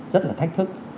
rất là thách thức